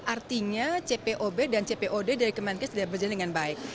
artinya cpob dan cpod dari kemenkes sudah berjalan dengan baik